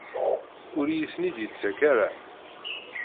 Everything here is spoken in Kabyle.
Ur iyi-ten-id-yettak ara?